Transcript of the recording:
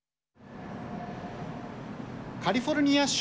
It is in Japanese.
カリフォルニア州